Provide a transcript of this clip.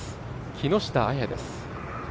木下彩です。